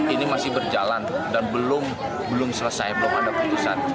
ini masih berjalan dan belum selesai belum ada putusan